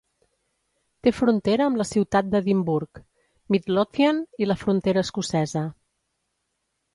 Té frontera amb la ciutat d'Edimburg, Midlothian i la frontera escocesa.